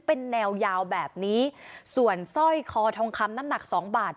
เป็นแนวยาวแบบนี้ส่วนสร้อยคอทองคำน้ำหนักสองบาท